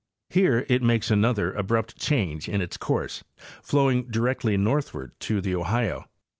Here it makes another abrupt change in its course, flowing directly northward to the Ohio.